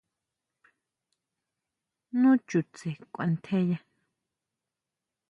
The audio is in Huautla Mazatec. Nu chutse kuantjeya.